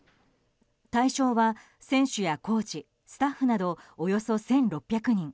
対象は選手やコーチ、スタッフなどおよそ１６００人。